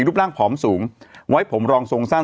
รูปร่างผอมสูงไว้ผมรองทรงสั้น